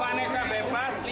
kalau vanessa bebas